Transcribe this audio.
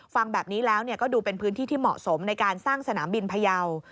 ฟังแบบนี้แล้วก็ดูเป็นพื้นที่ที่เหมาะสมในการสร้างสนามบินพยาว